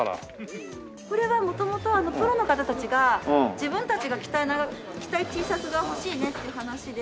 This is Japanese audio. これは元々プロの方たちが自分たちが着たいＴシャツが欲しいねって話で。